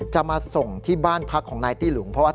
จะมาส่งมาที่บ้านพักของนายตี้หลุง